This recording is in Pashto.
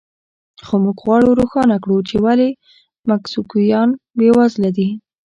خو موږ غواړو روښانه کړو چې ولې مکسیکویان بېوزله دي.